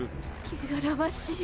けがらわしい。